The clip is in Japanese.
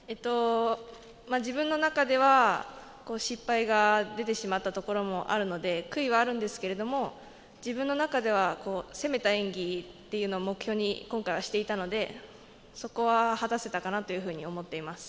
自分の中では失敗が出てしまったところもあるので悔いはあるんですけど、自分の中では攻めた演技というのを目標に、今回はしていたので、そこは果たせたかなと思っています。